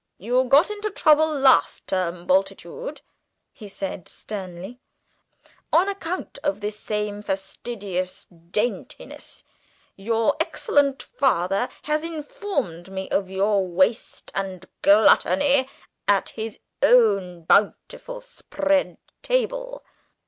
"You got into trouble last term, Bultitude," he said sternly, "on account of this same fastidious daintiness. Your excellent father has informed me of your waste and gluttony at his own bountifully spread table.